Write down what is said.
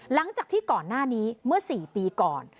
หลังจากที่ก่อนหน้านี้เมื่อ๔ปีก่อน